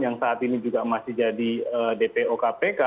yang saat ini juga masih jadi dpo kpk